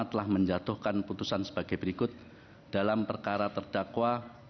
telah menjatuhkan putusan sebagai berikut dalam perkara terdakwa